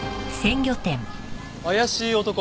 怪しい男？